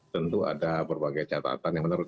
tentu ada berbagai catatan yang menurut